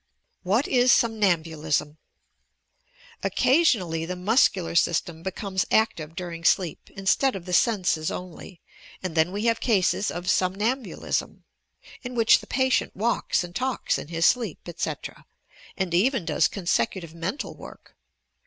WHAT TS SOMNAHBtn^ISM T Occasionally the muscular system becomes active dur ing sleep, instead of the senses only, and then we have cases of somnambulism, in which the patient walks and talks in his sleep, etc., and even does consecutive mental work.